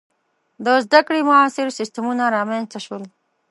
• د زده کړې معاصر سیستمونه رامنځته شول.